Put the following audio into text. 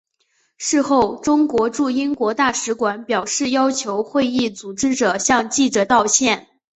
事后中国驻英国大使馆表示要求会议组织者向记者道歉。